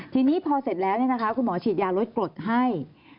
ทีนี้พอเสร็จแล้วคุณหมอฉีดยาลดกรดให้